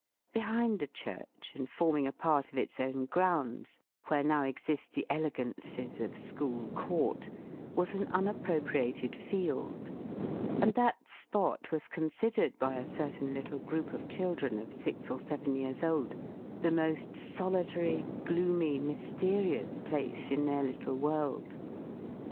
Behind the church, and forming a part of its own grounds, (where now exist the elegances of School Court,) was an unappropriated field; and that spot was considered, by a certain little group of children, of six or seven years old, the most solitary, gloomy, mysterious place in their little world.